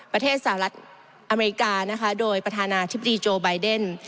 ประเทศสหรัฐอเมริกานะคะโดยประธานาธิบดีโจไบเดน